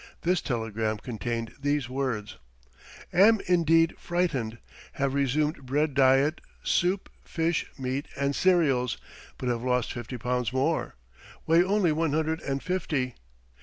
This telegram contained these words: Am indeed frightened. Have resumed bread diet, soup, fish, meat, and cereals, but have lost fifty pounds more. Weigh only one hundred and fifty.